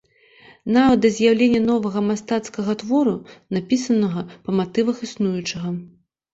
Нават да з'яўлення новага мастацкага твору, напісанага па матывах існуючага.